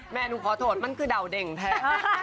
แม่หนูขอโทษมันคือดาวเด่งแท้